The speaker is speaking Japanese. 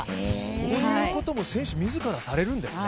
そういうことも選手自らされるんですね。